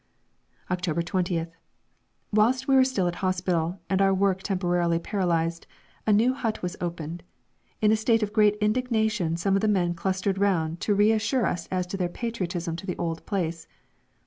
October 20th. Whilst we were still a hospital, and our work temporarily paralysed, a new hut was opened. In a state of great indignation some of the men clustered round to reassure us as to their patriotism to the old place.